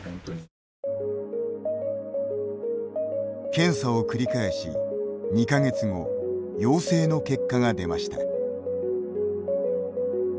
検査を繰り返し、２か月後陽性の結果が出ました。